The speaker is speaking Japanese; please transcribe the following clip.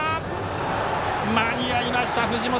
間に合いました、藤本。